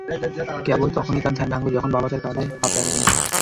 কেবল তখনই তার ধ্যান ভাঙল, যখন বাবা তার হাত রাখলেন কাঁধে।